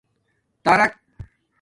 تارک